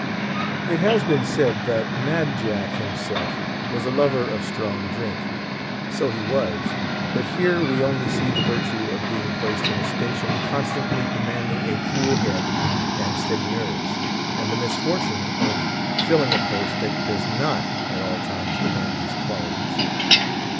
It has been said that Mad Jack himself was a lover of strong drink. So he was. But here we only see the virtue of being placed in a station constantly demanding a cool head and steady nerves, and the misfortune of filling a post that does not at all times demand these qualities.